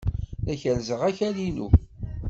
La kerrzeɣ akal-inu.